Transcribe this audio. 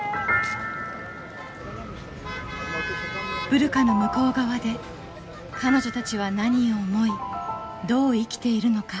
ブルカの向こう側で彼女たちは何を思いどう生きているのか。